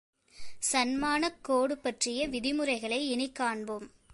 சன்மானக் கோடு பற்றிய விதிமுறைகளை இனி காண்போம்.